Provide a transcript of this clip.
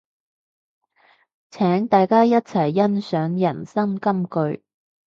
請大家一齊欣賞人生金句